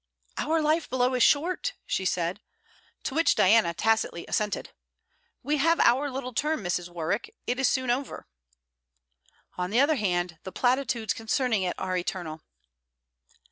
'Our life below is short!' she said. To which Diana tacitly assented. 'We have our little term, Mrs. Warwick. It is soon over.' 'On the other hand, the platitudes concerning it are eternal.'